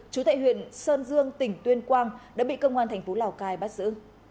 chú tại huyện sơn dương tỉnh tuyên quang đã bị công an thành phố lào cai bắt giữ